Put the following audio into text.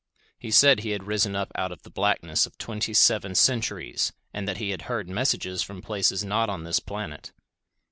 He said he had risen up out of the blackness of twenty seven centuries, and that he had heard messages from places not on this planet.